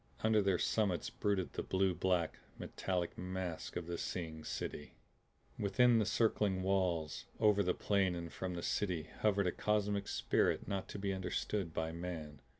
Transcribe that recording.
Under their summits brooded the blue black, metallic mass of the Seeing City. Within circling walls, over plain and from the City hovered a cosmic spirit not to be understood by man.